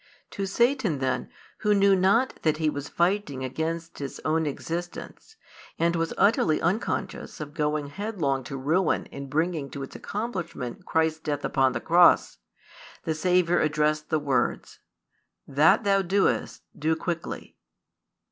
To Satan then, who knew not that he was fighting against his own existence, and was utterly unconscious of going headlong to ruin in bringing to its accomplishment Christ's death upon the Cross, the Saviour addressed the words: That thou doest, do quickly.